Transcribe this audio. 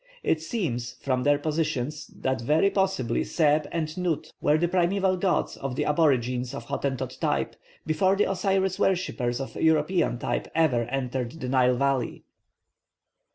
It seems, from their positions, that very possibly Seb and Nut were the primaeval gods of the aborigines of Hottentot type, before the Osiris worshippers of European type ever entered the Nile valley.